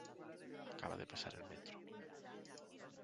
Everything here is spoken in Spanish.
Acaba de pasar el metro.